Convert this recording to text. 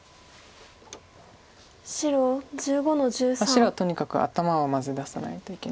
白はとにかく頭をまず出さないといけないので。